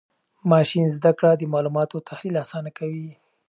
ماشین زده کړه د معلوماتو تحلیل آسانه کوي.